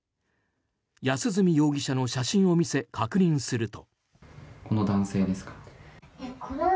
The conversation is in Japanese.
安栖容疑者の写真を見せ確認すると。